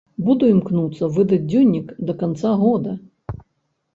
Буду імкнуцца выдаць дзённік да канца года.